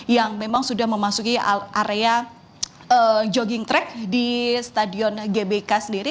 yang memang sudah memasuki area jogging track di stadion gbk sendiri